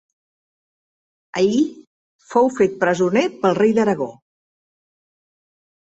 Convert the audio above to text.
Allí fou fet presoner pel rei d'Aragó.